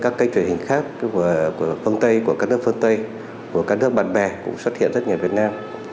các kênh truyền hình khác của phương tây của các nước phương tây của các nước bạn bè cũng xuất hiện rất nhiều việt nam